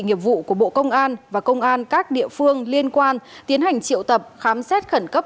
nghiệp vụ của bộ công an và công an các địa phương liên quan tiến hành triệu tập khám xét khẩn cấp